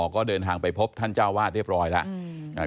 ก็เดินทางไปพบท่านเจ้าวาดเรียบร้อยแล้ว